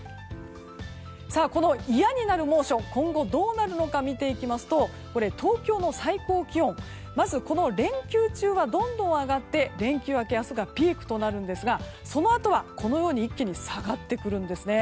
この嫌になる猛暑今後どうなるのか見ていきますと東京の最高気温連休中はどんどん上がって連休明け、明日がピークとなるんですがそのあとは、このように一気に下がってくるんですね。